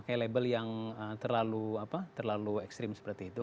kayak label yang terlalu apa terlalu ekstrim seperti itu